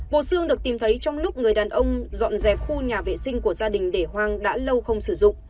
bộ xương được tìm thấy trong lúc người đàn ông dọn dẹp khu nhà vệ sinh của gia đình để hoang đã lâu không sử dụng